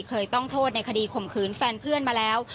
เคยต้องโทษในคดีข่มขืนแฟนเพื่อนมาแล้ว